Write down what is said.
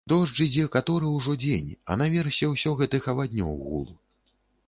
Дождж ідзе каторы ўжо дзень, а наверсе ўсё гэтых аваднёў гул.